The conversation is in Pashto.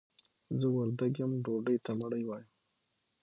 زه وردګ يم ډوډۍ ته مړۍ وايم.